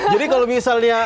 jadi kalau misalnya